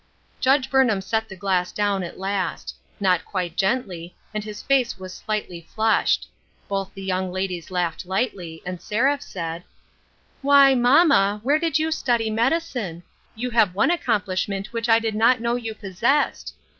Judge Burnham set the glass down at last ; not quite gently, and his face was slightly flushed ; both the young ladies laughed lightly, and Seraph said :—" Why, mamma, where did you study medicine ? You have one accomplishment which I did not know you possessed.